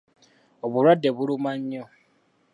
Obulwadde bumuluma nnyo.